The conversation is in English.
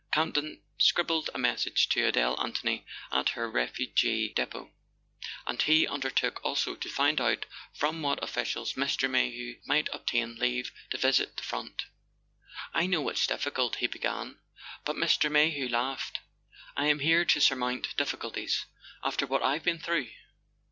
Camp ton scribbled a message to Adele Anthony at her refugee Depot; and he undertook also to find out from what officials Mr. Mayhew might obtain leave to visit the front. "I know it's difficult " he began; but Mr. May¬ hew laughed. "I am here to surmount difficulties— after what I've been through!